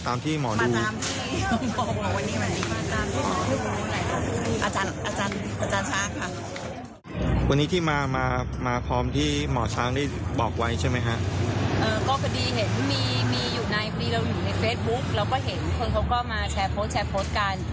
ก็พอดีเห็นมีอยู่ในพอดีเราอยู่ในเฟซบุ๊กเราก็เห็นคนเขาก็มาแชร์โพสต์แชร์โพสต์กัน